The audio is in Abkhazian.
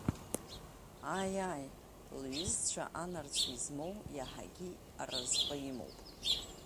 Ааи, ааи, лҩызцәа анарцә измоу иаҳагьы аразҟы имоуп.